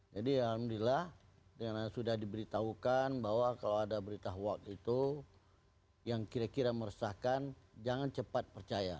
jadi alhamdulillah sudah diberitahukan bahwa kalau ada berita hoax itu yang kira kira meresahkan jangan cepat percaya